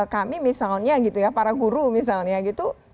kami misalnya gitu ya para guru misalnya gitu